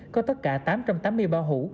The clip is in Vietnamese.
có tất cả tám trăm tám mươi ba hũ